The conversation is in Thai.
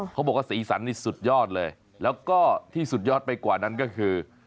เขาบอกว่าสีสันนี่สุดยอดเลยแล้วก็ที่สุดยอดไปกว่านั้นก็คือ